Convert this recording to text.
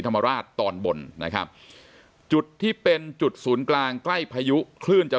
ธรรมราชตอนบนนะครับจุดที่เป็นจุดศูนย์กลางใกล้พายุคลื่นจะ